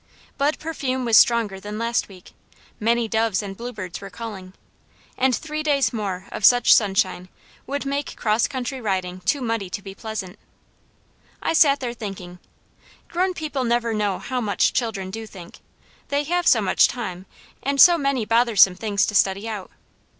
Bud perfume was stronger than last week, many doves and bluebirds were calling, and three days more of such sunshine would make cross country riding too muddy to be pleasant. I sat there thinking; grown people never know how much children do think, they have so much time, and so many bothersome things to study out.